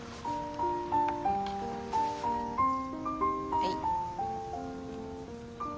はい。